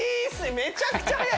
めちゃくちゃ速い！